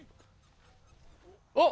あっ！